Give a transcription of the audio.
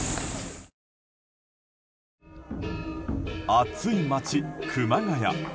暑い街、熊谷。